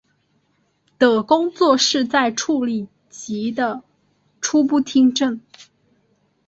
的工作是在处理及的初步听证。